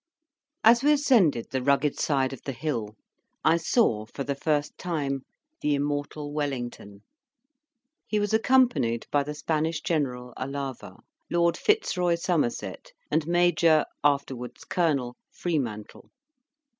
As we ascended the rugged side of the hill, I saw, for the first time, the immortal Wellington. He was accompanied by the Spanish General, Alava, Lord Fitzroy Somerset, and Major, afterwards Colonel Freemantle.